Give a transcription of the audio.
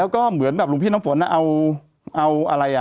ก็เหมือนหลวงพี่น้ำสนนะเอา